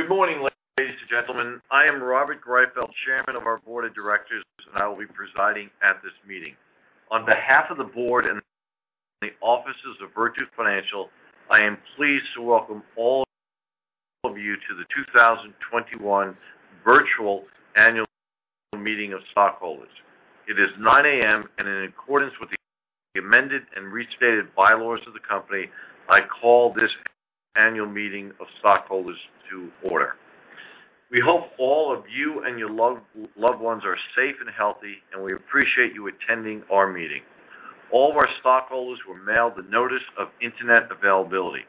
Good morning, ladies and gentlemen. I am Robert Greifeld, Chairman of our Board of Directors, and I will be presiding at this meeting. On behalf of the Board and the officers of Virtu Financial, I am pleased to welcome all of you to the 2021 Virtual Annual Meeting of Stockholders. It is 9:00 A.M., and in accordance with the amended and restated bylaws of the company, I call this annual meeting of stockholders to order. We hope all of you and your loved ones are safe and healthy, and we appreciate you attending our meeting. All of our stockholders were mailed the notice of internet availability.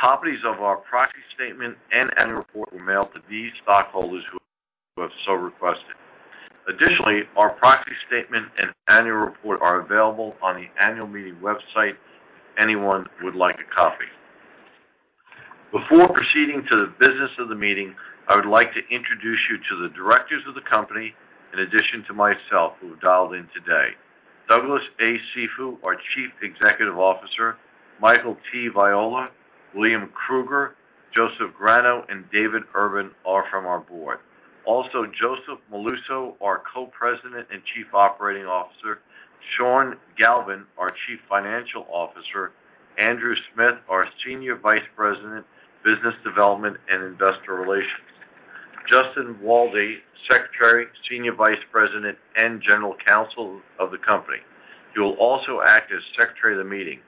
Copies of our proxy statement and annual report were mailed to these stockholders who have so requested. Additionally, our proxy statement and annual report are available on the annual meeting website if anyone would like a copy. Before proceeding to the business of the meeting, I would like to introduce you to the directors of the company, in addition to myself, who have dialed in today. Douglas A. Cifu, our Chief Executive Officer, Michael T. Viola, William F. Cruger, Joseph Grano, and David Urban are from our Board. Also, Joseph Molluso, our Co-President and Chief Operating Officer, Sean Galvin, our Chief Financial Officer, Andrew Smith, our Senior Vice President, Business Development and Investor Relations, Justin Waldie, Secretary, Senior Vice President, and General Counsel of the company. He will also act as Secretary of the Meeting.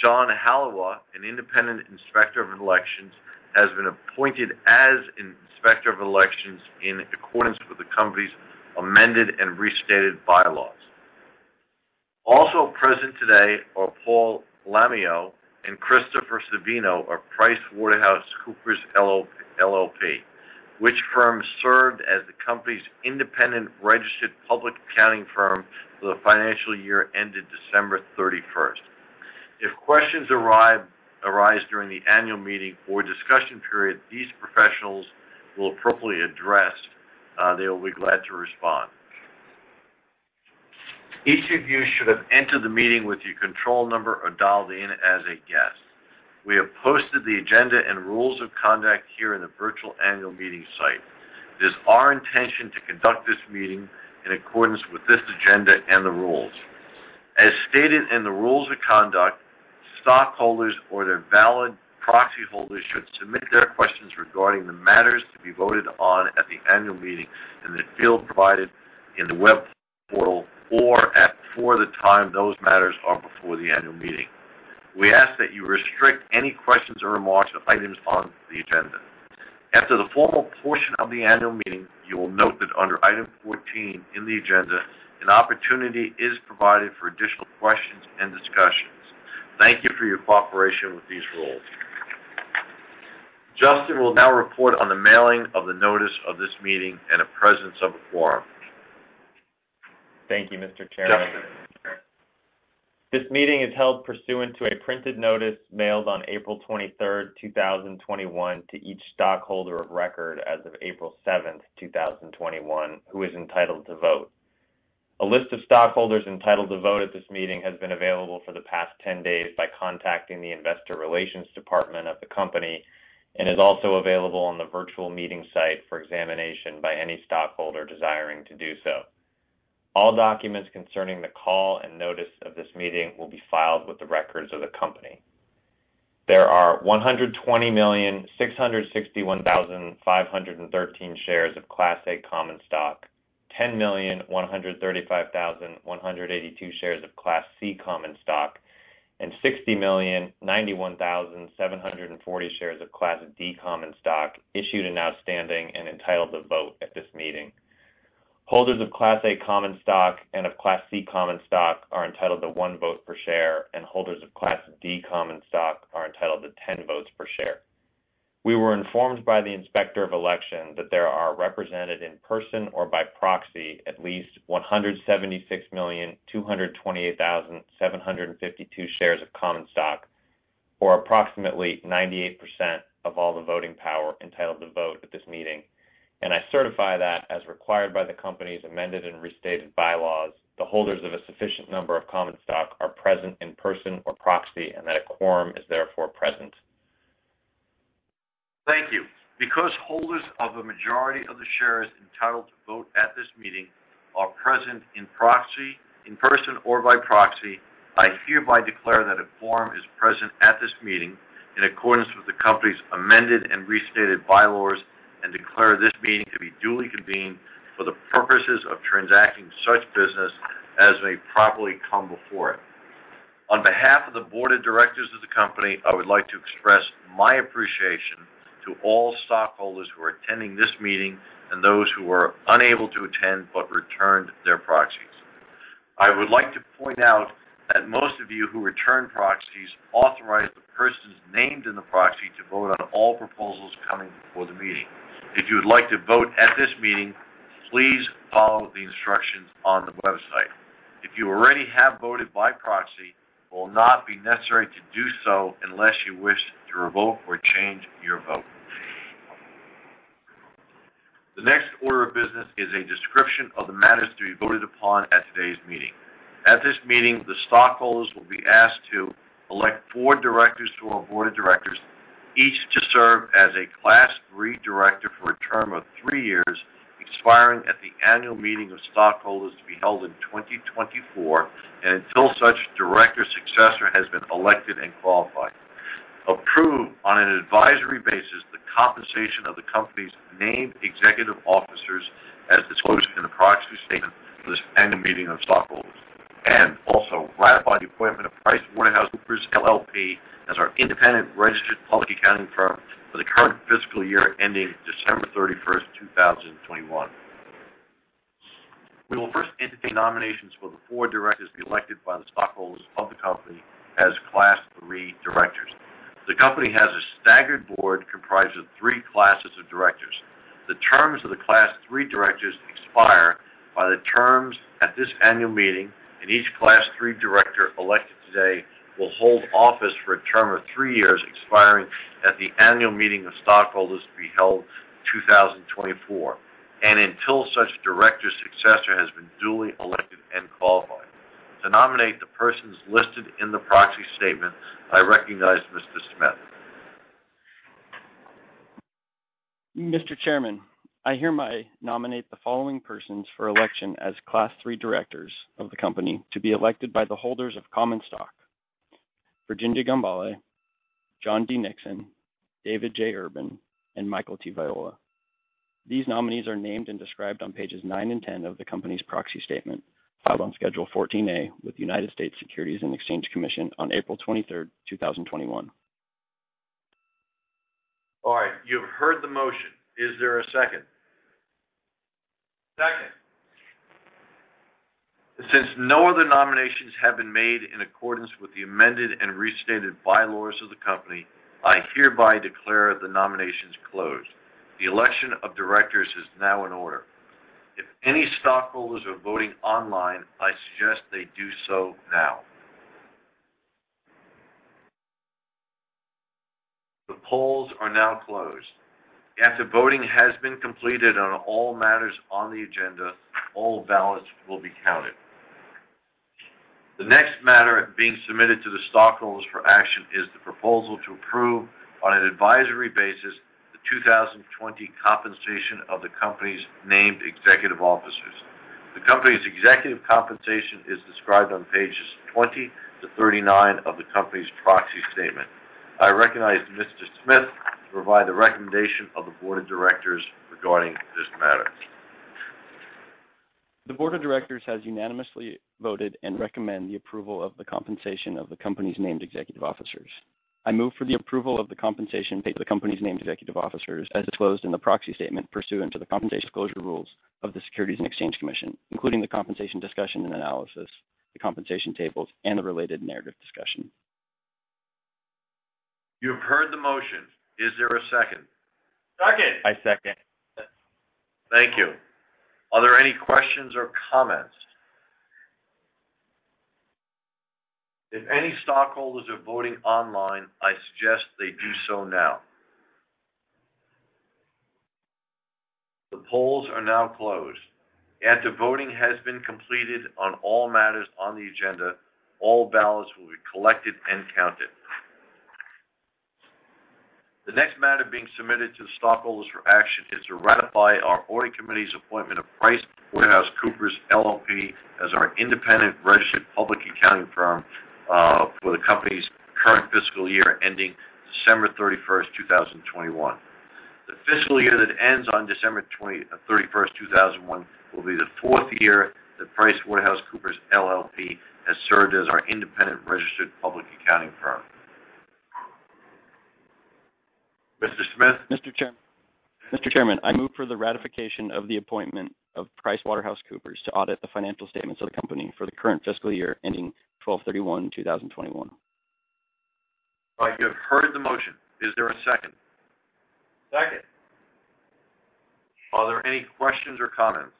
John Halua, an independent inspector of elections, has been appointed as inspector of elections in accordance with the company's amended and restated bylaws. Also present today are Paul Lameo and Christopher Savino, of PricewaterhouseCoopers LLP, which firm served as the company's independent registered public accounting firm for the financial year ended December 31st. If questions arise during the annual meeting or discussion period, these professionals will appropriately address. They will be glad to respond. Each of you should have entered the meeting with your control number or dialed in as a guest. We have posted the agenda and rules of conduct here in the Virtual Annual Meeting site. It is our intention to conduct this meeting in accordance with this agenda and the rules. As stated in the rules of conduct, stockholders or their valid proxy holders should submit their questions regarding the matters to be voted on at the annual meeting in the field provided in the web portal or at the time those matters are before the annual meeting. We ask that you restrict any questions or remarks to items on the agenda. After the formal portion of the annual meeting, you will note that under item 14 in the agenda, an opportunity is provided for additional questions and discussions. Thank you for your cooperation with these rules. Justin will now report on the mailing of the notice of this meeting and the presence of a quorum. Thank you, Mr. Chairman. This meeting is held pursuant to a printed notice mailed on April 23rd, 2021, to each stockholder of record as of April 7th, 2021, who is entitled to vote. A list of stockholders entitled to vote at this meeting has been available for the past 10 days by contacting the Investor Relations Department of the company and is also available on the Virtual Meeting site for examination by any stockholder desiring to do so. All documents concerning the call and notice of this meeting will be filed with the records of the company. There are 120,661,513 shares of Class A Common Stock, 10,135,182 shares of Class C Common Stock, and 60,091,740 shares of Class D Common Stock issued and outstanding and entitled to vote at this meeting. Holders of Class A Common Stock and of Class C Common Stock are entitled to one vote per share, and holders of Class D Common Stock are entitled to 10 votes per share. We were informed by the Inspector of Elections that there are represented in person or by proxy at least 176,228,752 shares of Common Stock, or approximately 98% of all the voting power entitled to vote at this meeting, and I certify that as required by the company's amended and restated bylaws, the holders of a sufficient number of Common Stock are present in person or proxy and that a quorum is therefore present. Thank you. Because holders of the majority of the shares entitled to vote at this meeting are present in person or by proxy, I hereby declare that a quorum is present at this meeting in accordance with the company's amended and restated bylaws and declare this meeting to be duly convened for the purposes of transacting such business as may properly come before it. On behalf of the Board of Directors of the company, I would like to express my appreciation to all stockholders who are attending this meeting and those who were unable to attend but returned their proxies. I would like to point out that most of you who return proxies authorize the persons named in the proxy to vote on all proposals coming before the meeting. If you would like to vote at this meeting, please follow the instructions on the website. If you already have voted by proxy, it will not be necessary to do so unless you wish to revoke or change your vote. The next order of business is a description of the matters to be voted upon at today's meeting. At this meeting, the stockholders will be asked to elect four directors who are Board of Directors, each to serve as a Class III Director for a term of three years expiring at the annual meeting of stockholders to be held in 2024 and until such director successor has been elected and qualified. Approve on an advisory basis the compensation of the company's named executive officers as disclosed in the proxy statement for this annual meeting of stockholders and also ratify the appointment of PricewaterhouseCoopers LLP as our independent registered public accounting firm for the current fiscal year ending December 31st, 2021. We will first entertain nominations for the four Directors elected by the stockholders of the company as Class III Directors. The company has a staggered board comprised of three classes of directors. The terms of the Class III Directors expire by the terms at this annual meeting, and each Class III Director elected today will hold office for a term of three years expiring at the annual meeting of stockholders to be held in 2024 and until such Director successor has been duly elected and qualified. To nominate the persons listed in the Proxy Statement, I recognize Mr. Smith. Mr. Chairman, I hereby nominate the following persons for election as Class III Directors of the company to be elected by the holders of Common Stock. Virginia Gambale, John D. Nixon, David J. Urban, and Michael T. Viola. These nominees are named and described on pages nine and 10 of the company's proxy statement filed on Schedule 14A with the United States Securities and Exchange Commission on April 23rd, 2021. All right. You've heard the motion. Is there a second? Second. Since no other nominations have been made in accordance with the amended and restated bylaws of the company, I hereby declare the nominations closed. The election of directors is now in order. If any stockholders are voting online, I suggest they do so now. The polls are now closed. After voting has been completed on all matters on the agenda, all ballots will be counted. The next matter being submitted to the stockholders for action is the proposal to approve on an advisory basis the 2020 compensation of the company's named executive officers. The company's executive compensation is described on pages 20-39 of the company's proxy statement. I recognize Mr. Smith to provide the recommendation of the Board of Directors regarding this matter. The Board of Directors has unanimously voted and recommends the approval of the compensation of the company's named executive officers. I move for the approval of the compensation paid to the company's named executive officers as disclosed in the Proxy Statement pursuant to the compensation disclosure rules of the Securities and Exchange Commission, including the Compensation Discussion and Analysis, the compensation tables, and the related narrative discussion. You've heard the motion. Is there a second? Second. I second. Thank you. Are there any questions or comments? If any stockholders are voting online, I suggest they do so now. The polls are now closed. After voting has been completed on all matters on the agenda, all ballots will be collected and counted. The next matter being submitted to the stockholders for action is to ratify our Audit Committee's appointment of PricewaterhouseCoopers LLP as our independent registered public accounting firm for the company's current fiscal year ending December 31st, 2021. The fiscal year that ends on December 31st, 2021, will be the fourth year that PricewaterhouseCoopers LLP has served as our independent registered public accounting firm. Mr. Smith? Mr. Chairman, I move for the ratification of the appointment of PricewaterhouseCoopers to audit the financial statements of the company for the current fiscal year ending December 31, 2021. All right. You've heard the motion. Is there a second? Second. Are there any questions or comments?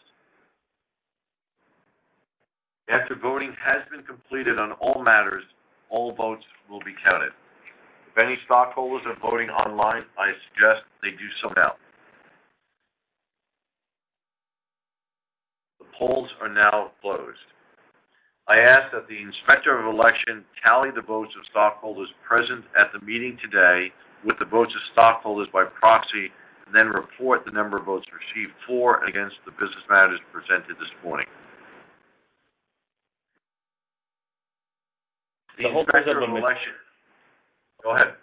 After voting has been completed on all matters, all votes will be counted. If any stockholders are voting online, I suggest they do so now. The polls are now closed. I ask that the Inspector of Elections tally the votes of stockholders present at the meeting today with the votes of stockholders by proxy and then report the number of votes received for and against the business matters presented this morning. The holders of the election. Go ahead.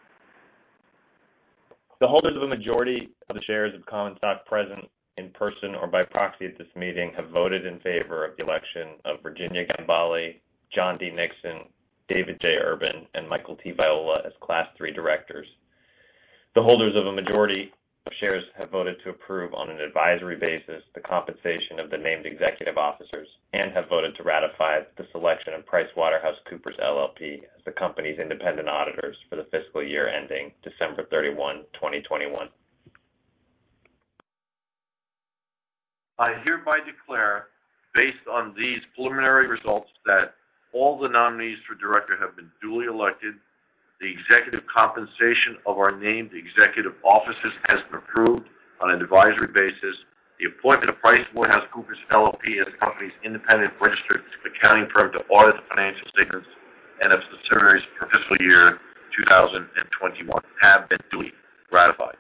The holders of a majority of the shares of Common Stock present in person or by proxy at this meeting have voted in favor of the election of Virginia Gambale, John D. Nixon, David J. Urban, and Michael T. Viola as Class III Directors. The holders of a majority of shares have voted to approve on an advisory basis the compensation of the named executive officers and have voted to ratify the selection of PricewaterhouseCoopers LLP as the company's independent auditors for the fiscal year ending December 31, 2021. I hereby declare, based on these preliminary results, that all the nominees for director have been duly elected, the executive compensation of our named executive officers has been approved on an advisory basis, the appointment of PricewaterhouseCoopers LLP as the company's independent registered public accounting firm to audit the financial statements for fiscal year 2021 has been duly ratified.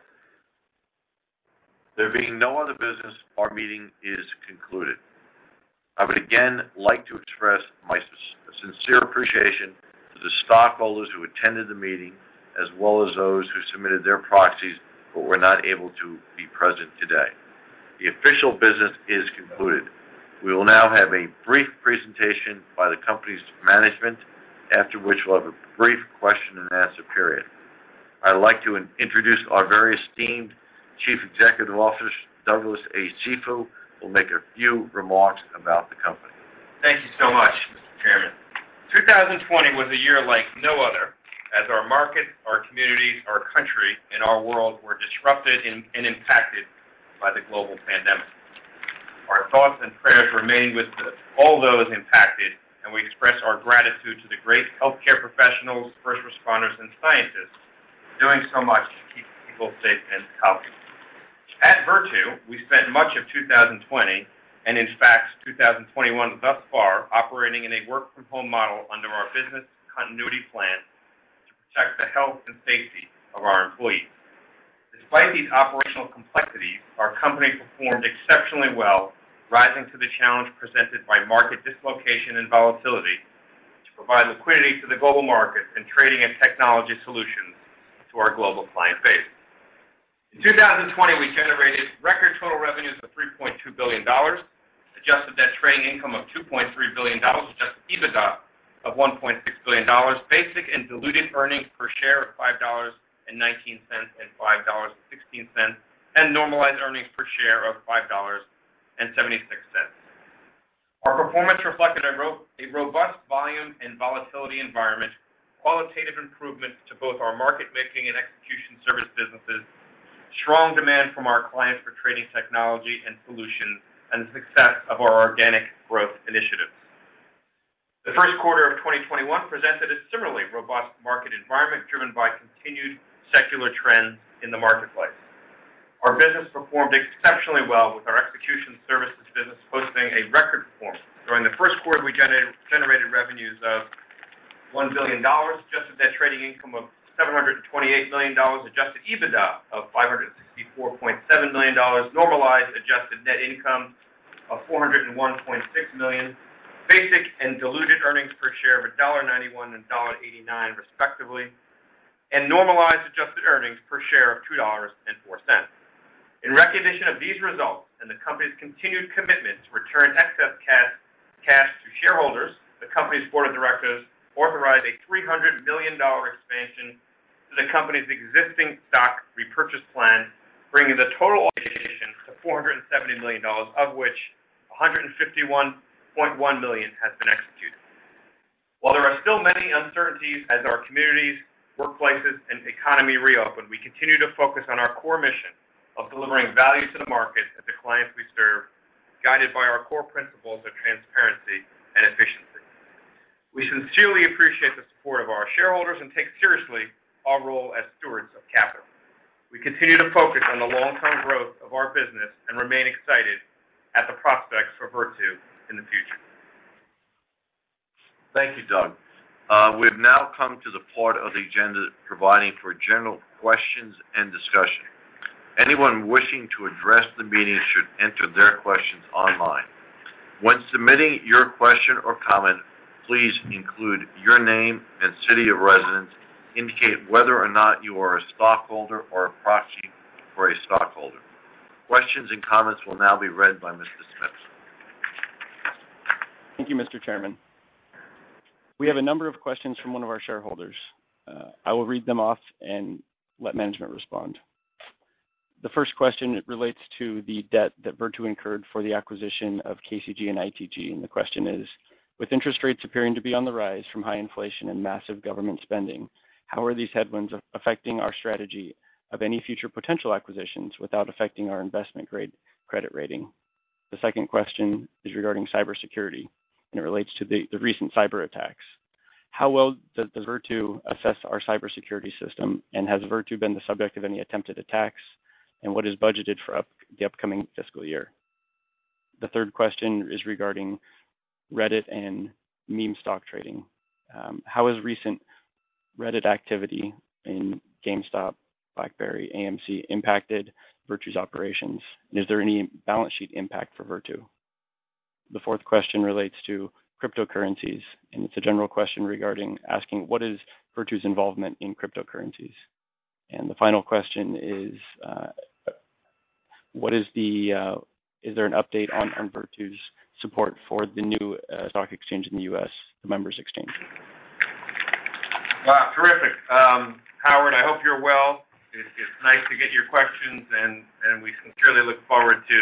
There being no other business, our meeting is concluded. I would again like to express my sincere appreciation to the stockholders who attended the meeting as well as those who submitted their proxies but were not able to be present today. The official business is concluded. We will now have a brief presentation by the company's management, after which we'll have a brief question and answer period. I'd like to introduce our very esteemed Chief Executive Officer, Douglas A. Cifu, who will make a few remarks about the company. Thank you so much, Mr. Chairman. 2020 was a year like no other as our market, our communities, our country, and our world were disrupted and impacted by the global pandemic. Our thoughts and prayers remain with all those impacted, and we express our gratitude to the great healthcare professionals, first responders, and scientists for doing so much to keep people safe and healthy. At Virtu, we spent much of 2020 and, in fact, 2021 thus far operating in a work-from-home model under our business continuity plan to protect the health and safety of our employees. Despite these operational complexities, our company performed exceptionally well, rising to the challenge presented by market dislocation and volatility to provide liquidity to the global markets and trading and technology solutions to our global client base. In 2020, we generated record total revenues of $3.2 billion, adjusted net trading income of $2.3 billion, Adjusted EBITDA of $1.6 billion, basic and diluted earnings per share of $5.19 and $5.16, and normalized earnings per share of $5.76. Our performance reflected a robust volume and volatility environment, qualitative improvement to both our market-making and execution service businesses, strong demand from our clients for trading technology and solutions, and the success of our organic growth initiatives. The first quarter of 2021 presented a similarly robust market environment driven by continued secular trends in the marketplace. Our business performed exceptionally well with our execution services business posting a record performance. During the first quarter, we generated revenues of $1 billion, Adjusted Net Trading Income of $728 million, Adjusted EBITDA of $564.7 million, Normalized Adjusted Net Income of $401.6 million, basic and diluted earnings per share of $1.91 and $1.89 respectively, and normalized adjusted earnings per share of $2.04. In recognition of these results and the company's continued commitment to return excess cash to shareholders, the company's Board of Directors authorized a $300 million expansion to the company's existing Stock Repurchase Plan, bringing the total allocation to $470 million, of which $151.1 million has been executed. While there are still many uncertainties as our communities, workplaces, and economy reopen, we continue to focus on our core mission of delivering value to the markets and the clients we serve, guided by our core principles of transparency and efficiency. We sincerely appreciate the support of our shareholders and take seriously our role as stewards of capital. We continue to focus on the long-term growth of our business and remain excited at the prospects for Virtu in the future. Thank you, Doug. We have now come to the part of the agenda providing for general questions and discussion. Anyone wishing to address the meeting should enter their questions online. When submitting your question or comment, please include your name and city of residence, indicate whether or not you are a stockholder or a proxy for a stockholder. Questions and comments will now be read by Mr. Smith. Thank you, Mr. Chairman. We have a number of questions from one of our shareholders. I will read them off and let management respond. The first question relates to the debt that Virtu incurred for the acquisition of KCG and ITG, and the question is, "With interest rates appearing to be on the rise from high inflation and massive government spending, how are these headwinds affecting our strategy of any future potential acquisitions without affecting our investment credit rating?" The second question is regarding cybersecurity, and it relates to the recent cyberattacks. "How well does Virtu assess our cybersecurity system, and has Virtu been the subject of any attempted attacks, and what is budgeted for the upcoming fiscal year?" The third question is regarding Reddit and meme stock trading. How has recent Reddit activity in GameStop, BlackBerry, AMC impacted Virtu's operations, and is there any balance sheet impact for Virtu?" The fourth question relates to cryptocurrencies, and it's a general question regarding asking, "What is Virtu's involvement in cryptocurrencies?" And the final question is, "Is there an update on Virtu's support for the new stock exchange in the U.S., the Members Exchange? Wow, terrific. Howard, I hope you're well. It's nice to get your questions, and we sincerely look forward to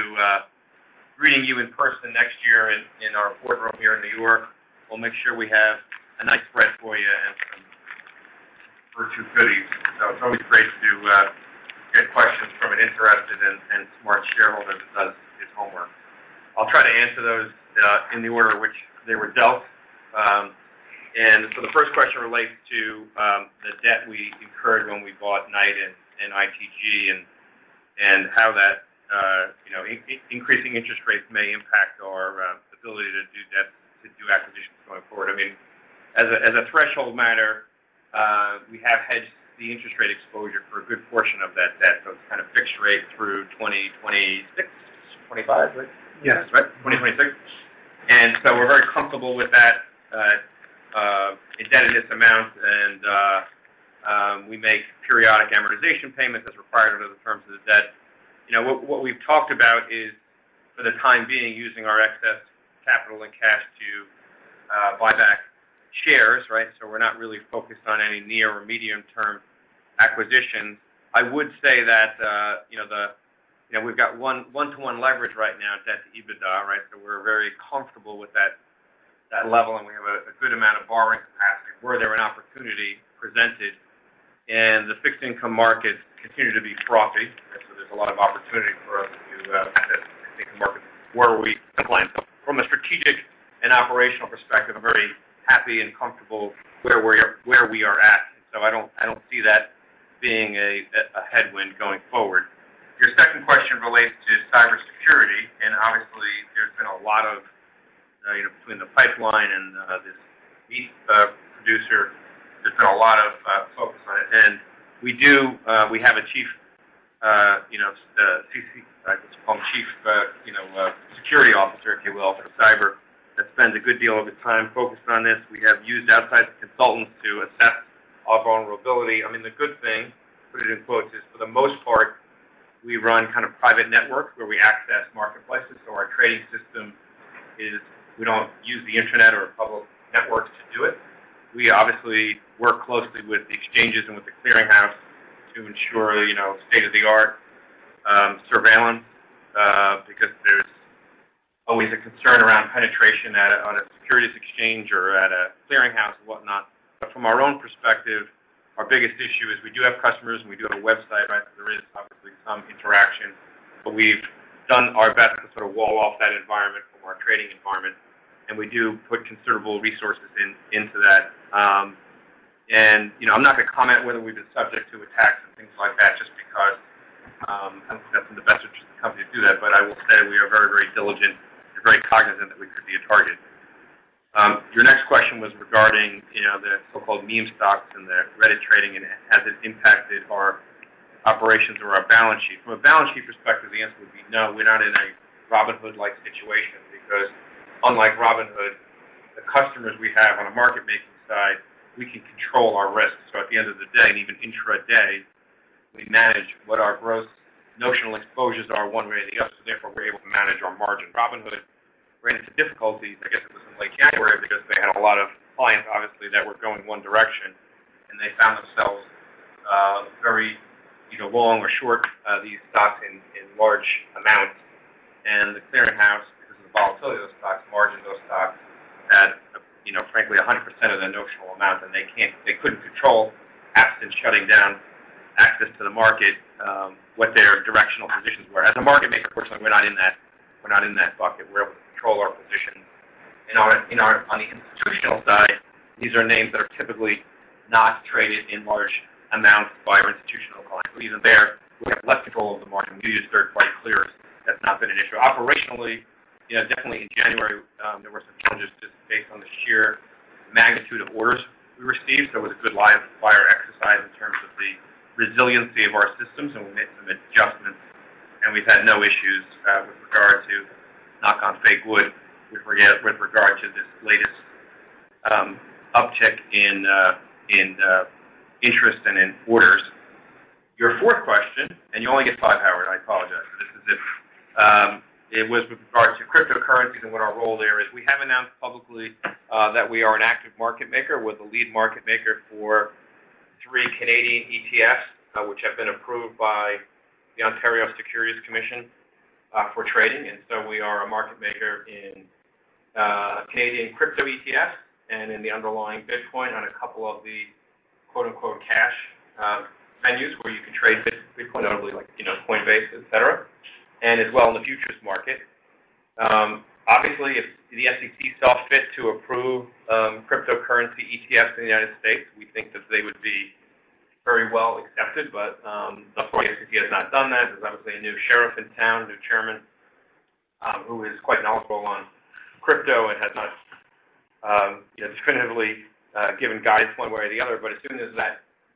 meeting you in person next year in our boardroom here in New York. We'll make sure we have a nice spread for you and some Virtu goodies. So it's always great to get questions from an interested and smart shareholder that does his homework. I'll try to answer those in the order in which they were dealt, and so the first question relates to the debt we incurred when we bought Knight and ITG and how that increasing interest rates may impact our ability to do acquisitions going forward. I mean, as a threshold matter, we have hedged the interest rate exposure for a good portion of that debt, so it's kind of fixed rate through 2026, 2025, right? Yes. Right? 2026? And so we're very comfortable with that indebtedness amount, and we make periodic amortization payments as required under the terms of the debt. What we've talked about is, for the time being, using our excess capital and cash to buy back shares, right? So we're not really focused on any near or medium-term acquisitions. I would say that we've got one-to-one leverage right now in debt to EBITDA, right? So we're very comfortable with that level, and we have a good amount of borrowing capacity where there are opportunities presented. And the fixed income markets continue to be frothy. So there's a lot of opportunity for us to access the fixed income markets where we plan. From a strategic and operational perspective, I'm very happy and comfortable where we are at, and so I don't see that being a headwind going forward. Your second question relates to cybersecurity, and obviously, there's been a lot of, between the pipeline and this meat producer, there's been a lot of focus on it. And we have a chief, I guess we'll call him chief security officer, if you will, for cyber, that spends a good deal of his time focused on this. We have used outside consultants to assess our vulnerability. I mean, the good thing, to put it in quotes, is for the most part, we run kind of private networks where we access marketplaces. So our trading system is, we don't use the internet or public networks to do it. We obviously work closely with the exchanges and with the Clearinghouse to ensure state-of-the-art surveillance because there's always a concern around penetration on a securities exchange or at a clearinghouse and whatnot. But from our own perspective, our biggest issue is we do have customers, and we do have a website, right? So there is obviously some interaction, but we've done our best to sort of wall off that environment from our trading environment, and we do put considerable resources into that. And I'm not going to comment whether we've been subject to attacks and things like that just because I don't think that's in the best interest of the company to do that, but I will say we are very, very diligent and very cognizant that we could be a target. Your next question was regarding the so-called meme stocks and the Reddit trading and has it impacted our operations or our balance sheet? From a balance sheet perspective, the answer would be no. We're not in a Robinhood-like situation because, unlike Robinhood, the customers we have on a market-making side, we can control our risk. So at the end of the day, and even intra-day, we manage what our gross notional exposures are one way or the other. So therefore, we're able to manage our margin. Robinhood ran into difficulties, I guess it was in late January, because they had a lot of clients, obviously, that were going one direction, and they found themselves very long or short these stocks in large amounts, and the Clearinghouse, because of the volatility of those stocks, margined those stocks, had, frankly, 100% of the notional amount, and they couldn't control, absent shutting down access to the market, what their directional positions were. As a market maker, fortunately, we're not in that bucket. We're able to control our positions. On the institutional side, these are names that are typically not traded in large amounts by our institutional clients. So even there, we have less control of the market. We do use third-party clearance. That's not been an issue. Operationally, definitely in January, there were some challenges just based on the sheer magnitude of orders we received. There was a good live-fire exercise in terms of the resiliency of our systems, and we made some adjustments, and we've had no issues with regard to, knock on fake wood, with regard to this latest uptick in interest and in orders. Your fourth question, and you only get five, Howard. I apologize. This is it. It was with regard to cryptocurrencies and what our role there is. We have announced publicly that we are an active market maker. We're the lead market maker for three Canadian ETFs, which have been approved by the Ontario Securities Commission for trading, and so we are a market maker in Canadian crypto ETFs and in the underlying Bitcoin on a couple of the "cash" venues where you can trade Bitcoin, notably like Coinbase, etc., and as well in the futures market. Obviously, if the SEC saw fit to approve cryptocurrency ETFs in the United States, we think that they would be very well accepted, but unfortunately, the SEC has not done that. There's obviously a new sheriff in town, a new chairman, who is quite knowledgeable on Crypto and has not definitively given guidance one way or the other. But as soon as the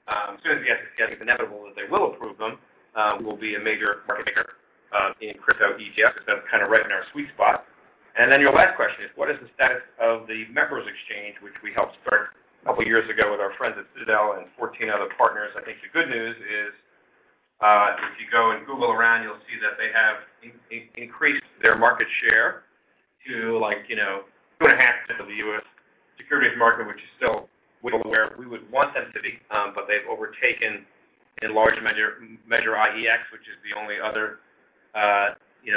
SEC deems it inevitable that they will approve them, we will be a major market maker in crypto ETFs. That's kind of right in our sweet spot. And then your last question is, what is the status of the Members Exchange, which we helped start a couple of years ago with our friends at Citadel and 14 other partners? I think the good news is, if you go and Google around, you'll see that they have increased their market share to like 2.5% of the U.S. securities market, which is still where we would want them to be, but they've overtaken in large measure IEX, which is the only other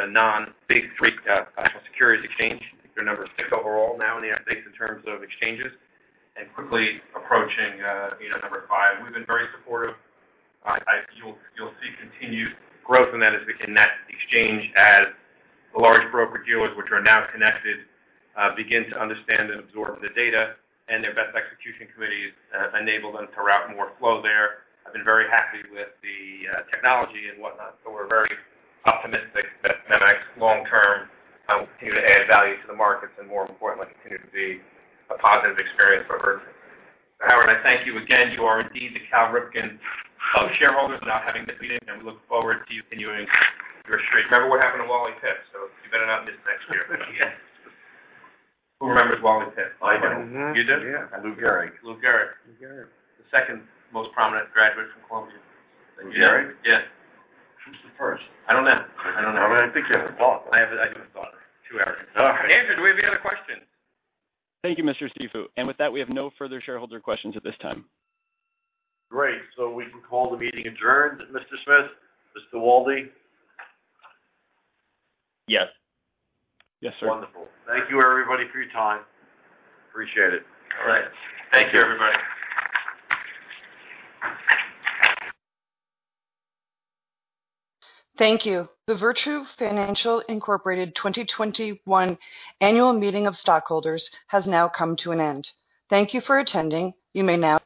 non-Big Three national securities exchange. They're number six overall now in the United States in terms of exchanges and quickly approaching number five. We've been very supportive. You'll see continued growth in that as we connect MEMX as the large broker-dealers, which are now connected, begin to understand and absorb the data, and their best execution committees enable them to route more flow there. I've been very happy with the technology and whatnot, so we're very optimistic that that MEMX long-term and will continue to add value to the markets and, more importantly, continue to be a positive experience for Virtu. Howard, I thank you again to our intrepid Cal Ripken shareholders now having this meeting, and we look forward to you continuing your streak. Remember what happened to Wally Pipp? You better not miss next year. Who remembers Wally Pipp? I do. You do? Yeah. I knew Gehrig. Knew Gehrig. Knew Gehrig. The second most prominent graduate from Columbia. Gehrig. Yeah. Who's the first? I don't know. I don't know. How about I think you have a thought. I have a thought. Two hours. All right. Andrew, do we have any other questions? Thank you, Mr. Cifu. And with that, we have no further shareholder questions at this time. Great. So we can call the meeting adjourned, Mr. Smith, Mr. Waldie? Yes. Yes, sir. Wonderful. Thank you, everybody, for your time. Appreciate it. All right. Thank you, everybody. Thank you. The Virtu Financial Incorporated 2021 annual meeting of stockholders has now come to an end. Thank you for attending. You may now.